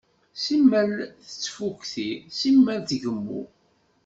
Simmal tettfukti, simmal tgemmu.